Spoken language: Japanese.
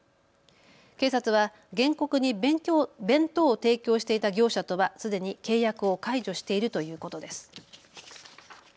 警察は原告に弁当を提供していた業者とはすでに契約を解除しているということです。